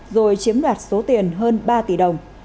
rồi chiếm đoạt số tiền hơn ba tỷ đồng